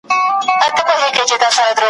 څرنګه به پوه سم په خواله ددې جینۍ `